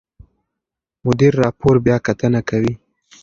مدیر راپور بیاکتنه کوي.